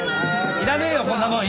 いらねえよこんなもん。